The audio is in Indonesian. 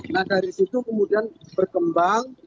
nah dari situ kemudian berkembang